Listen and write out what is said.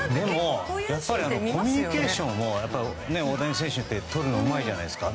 コミュニケーションを大谷選手ってとるのがうまいじゃないですか。